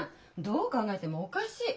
どう考えてもおかしい。